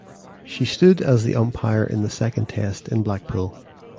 She stood as the umpire in the Second Test in Blackpool.